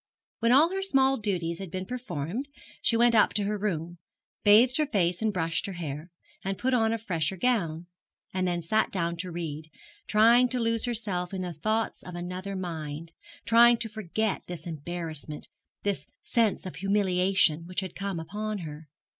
When all her small duties had been performed she went up to her room, bathed her face and brushed her hair, and put on a fresher gown, and then sat down to read, trying to lose herself in the thoughts of another mind, trying to forget this embarrassment, this sense of humiliation, which had come upon her.